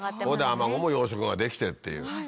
アマゴも養殖ができてっていう。